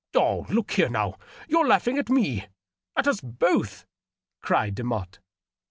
Oh, look here, now, you're laughing at me — at us both !" cried Demotte.